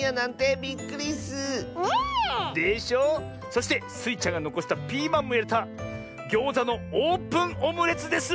そしてスイちゃんがのこしたピーマンもいれたギョーザのオープンオムレツです！